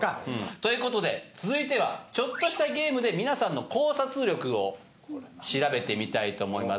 ということで続いてはちょっとしたゲームで皆さんの考察力を調べてみたいと思います。